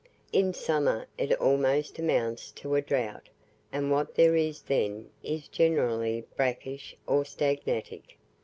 In summer it almost amounts to a drought, and what there is then is generally brackish or stagnatic.